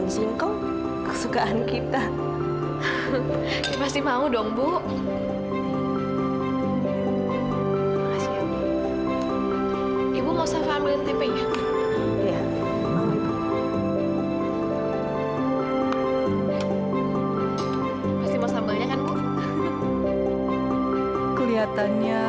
sampai jumpa di video selanjutnya